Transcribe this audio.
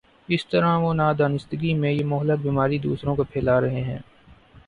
اس طرح وہ نادانستگی میں یہ مہلک بیماری دوسروں کو پھیلا رہے ہیں۔